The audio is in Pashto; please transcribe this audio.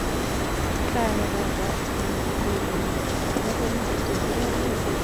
زغال د افغانستان د ټولنې لپاره بنسټيز رول لري.